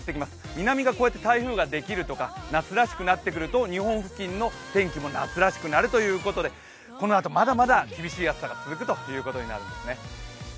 南がこうやって台風ができるとか夏らしくなってくると、日本付近の天気も夏らしくなるということでこのあと、まだまだ厳しい暑さが続くということになるんですね。